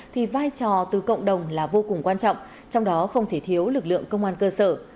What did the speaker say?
thì vai trò từ cộng đồng là vô cùng quan trọng trong đó không thể thiếu lực lượng công an cơ sở